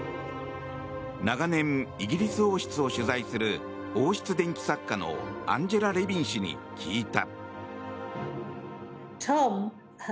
長年イギリス王室を取材する王室伝記作家のアンジェラ・レビン氏に聞いた。